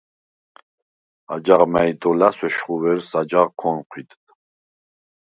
აჯაღ მა̄̈ჲ დო ლა̈სვ, ეშხუ ვერს აჯაღჷდ ქო̄ნჴვიდდ.